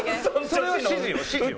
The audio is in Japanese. それは指示よ指示よ。